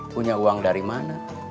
punya uang dari mana